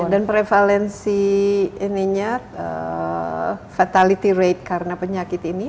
dan prevalensi fatality rate karena penyakit ini